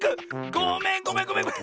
ごめんごめんごめんごめん！